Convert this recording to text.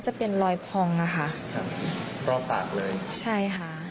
ดำเนินกันยังไงเราก็พอใจ